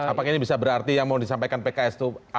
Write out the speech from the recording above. apakah ini bisa berarti yang mau disampaikan pks itu